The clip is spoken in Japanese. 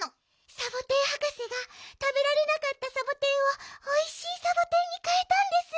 サボテンはかせがたべられなかったサボテンをおいしいサボテンにかえたんです。